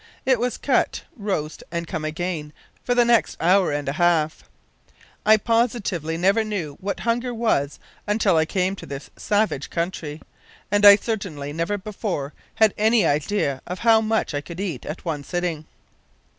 It was cut, roast, and come again, for the next hour and a half. I positively never knew what hunger was until I came to this savage country! And I certainly never before had any idea of how much I could eat at one sitting!